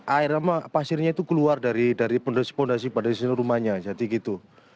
air sama pasirnya itu keluar dari pondasi pondasi pada di sini rumahnya jadi gitu